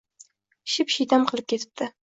Ship-shiydam qilib ketibdi.